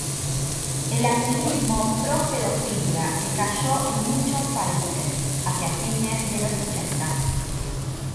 El activismo pro-pedofilia decayó en muchos países hacia fines de los ochenta.